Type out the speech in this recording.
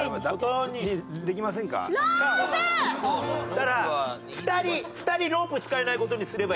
だから２人２人ロープ使えない事にすればいいじゃん。